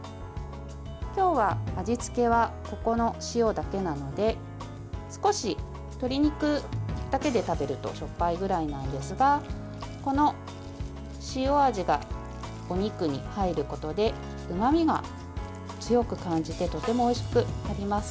今日は味付けはここの塩だけなので少し鶏肉だけで食べるとしょっぱいくらいなんですがこの塩味が、お肉に入ることでうまみが強く感じてとてもおいしくなります。